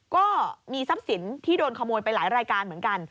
ก็มีทรัพย์สินที่โดนขโมยไปหลายรายการเหมือนกัน